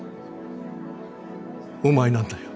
お前なんだよ。